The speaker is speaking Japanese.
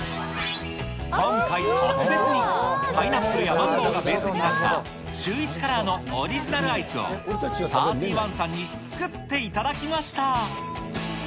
今回、特別にパイナップルやマンゴーがベースになったシューイチカラーのオリジナルアイスを、サーティワンさんに作っていただきました。